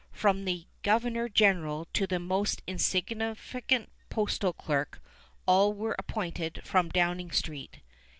From the governor general to the most insignificant postal clerk, all were appointed from Downing Street.